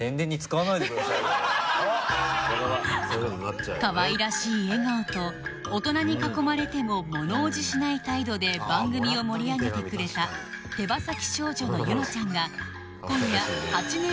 かわいらしい笑顔と大人に囲まれても物おじしない態度で番組を盛り上げてくれた手羽先少女の柚乃ちゃんが今夜８年！